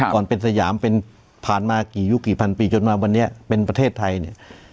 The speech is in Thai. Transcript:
ก่อนเป็นสยามเป็นผ่านมากี่ยุคกี่พันปีจนมาวันนี้เป็นประเทศไทยเนี่ย